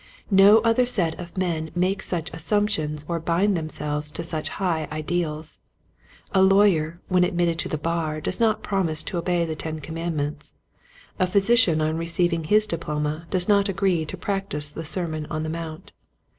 No other set of men make such assumptions or bind themselves to such high ideals. A lawyer when ad mitted to the bar does not promise to obey the ten commandments. A physician on receiving his diploma does not agree to practice the Sermon on the Mount.